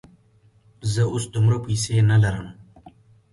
زه اوس دومره پیسې نه لرم.